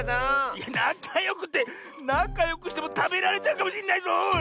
いやなかよくってなかよくしてもたべられちゃうかもしんないぞおい！